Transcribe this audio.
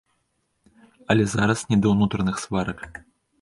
Але зараз не да ўнутраных сварак.